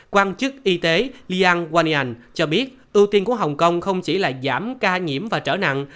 quan chức y tế lian wanian cho biết ưu tiên của hồng kông không chỉ là giảm ca nhiễm và trở nặng